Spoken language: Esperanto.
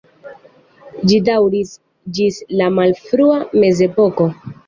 Ĝi daŭris ĝis la malfrua mezepoko.